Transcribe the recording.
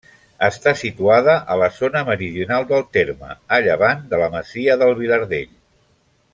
Està situada a la zona meridional del terme, a llevant de la masia del Vilardell.